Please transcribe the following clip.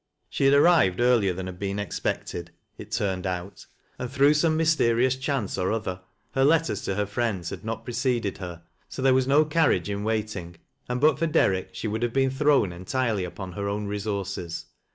She had arii\'ed earlier than had been expected, i( turned out, and through some mysterious chance or other, her letters to her friends had not preceded her, so there was no carriage in waiting, and but for Derrick she would have been thrown entirely upon her own resources.